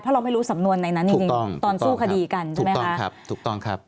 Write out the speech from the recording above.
ถ้าเราไม่รู้สำนวนในนั้นจริงตอนสู้คดีกันใช่ไหมคะถูกต้อง